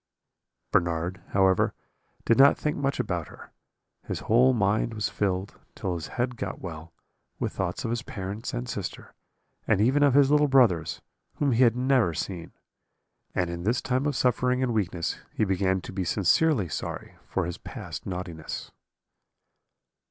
"Bernard, however, did not think much about her; his whole mind was filled, till his head got well, with thoughts of his parents and sister, and even of his little brothers, whom he had never seen. And in this time of suffering and weakness he began to be sincerely sorry for his past naughtiness.